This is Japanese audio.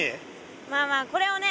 まあまあこれをね